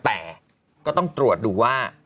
แต่ก็ต้องตรวจดูว่า